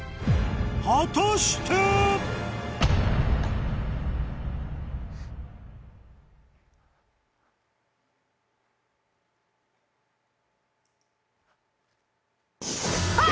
果たして⁉あ！